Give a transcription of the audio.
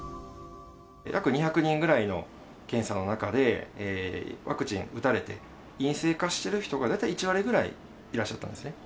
約２００人ぐらいの検査の中で、ワクチン打たれて陰性化してる人が大体１割ぐらいいらっしゃったんですね。